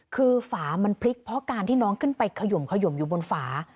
คือฝามันพลิกเพราะการที่น้องขึ้นไปขยมขยมอยู่บนฝา